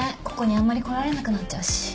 ここにあんまり来られなくなっちゃうし。